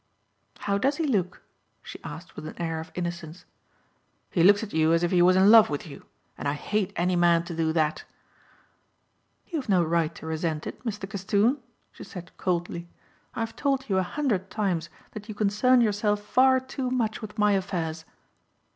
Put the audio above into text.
"How does he look?" she asked with an air of innocence. "He looks at you as if he was in love with you, and I hate any man to do that." "You have no right to resent it Mr. Castoon," she said coldly. "I have told you a hundred times that you concern yourself far too much with my affairs."